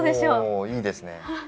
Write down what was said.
おおいいですね。